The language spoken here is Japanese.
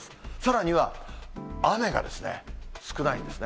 さらには、雨が少ないんですね。